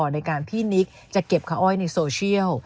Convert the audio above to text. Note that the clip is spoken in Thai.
ในการพี่นิกจะเก็บข้าวอ้อยในโซเชียล